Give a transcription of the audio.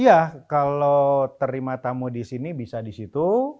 iya kalau terima tamu disini bisa disitu